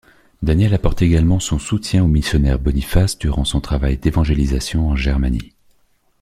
Daniel apporte également son soutien au missionnaire Boniface durant son travail d'évangélisation en Germanie.